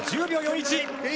１０秒４１。